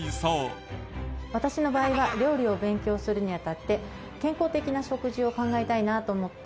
私の場合は料理を勉強するに当たって健康的な食事を考えたいなと思って。